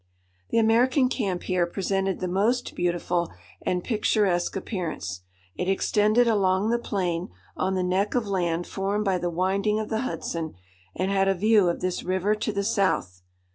"The American camp here presented the most beautiful and picturesque appearance. It extended along the plain, on the neck of land formed by the winding of the Hudson, and had a view of this river to the south.